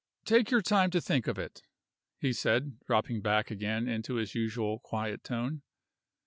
"Take your time to think of it," he said, dropping back again into his usual quiet tone.